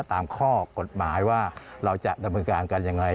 ตามข้อกฎหมายว่าเราจะดำเนินการกันอย่างไร